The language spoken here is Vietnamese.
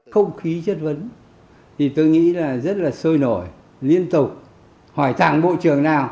không khí chất vấn thì tôi nghĩ là rất là sôi nổi liên tục hỏi thẳng bộ trường nào